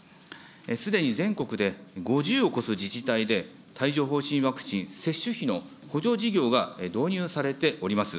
すでに全国で５０を超す自治体で、帯状ほう疹ワクチン接種費の補助事業が導入されております。